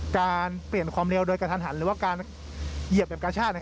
การเปลี่ยนความเร็วโดยกระทันหันหรือว่าการเหยียบแบบกระชาก